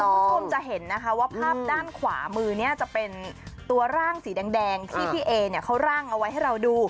คุณผู้ชมจะเห็นนะคะว่าภาพด้านขวามือเนี่ยจะเป็นตัวร่างสีแดงที่พี่เอเนี่ยเขาร่างเอาไว้ให้เราดู